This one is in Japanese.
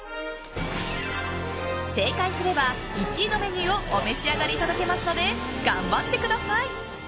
正解すれば、１位のメニューをお召し上がりいただけますので頑張ってください！